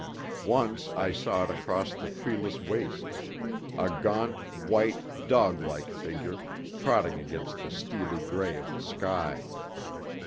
Once I saw it across the treeless wastes a gaunt, white, dog like figure, trotting against the steely grey of the sky.